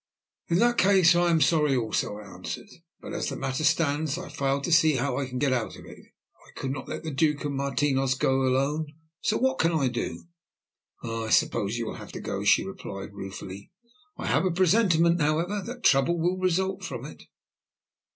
"In that case I am sorry also," I answered, "but as the matter stands I fail to see how I can get out of it. I could not let the Duke and Martinos go alone, so what can I do?" "I suppose you will have to go," she replied ruefully. "I have a presentiment, however, that trouble will result from it."